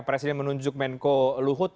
presiden menunjuk menko luhut